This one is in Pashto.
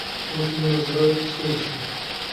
اوس مې نو زړۀ سوړ شو.